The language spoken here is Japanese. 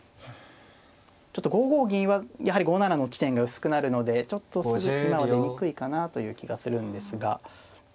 ちょっと５五銀はやはり５七の地点が薄くなるのでちょっとすぐ今は出にくいかなという気がするんですが。